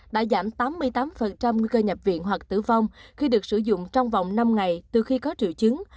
đã giảm tám mươi tám cơ nhập viện hoặc tử vong khi được sử dụng trong vòng năm ngày từ khi có triệu chứng